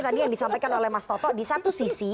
tadi yang disampaikan oleh mas toto di satu sisi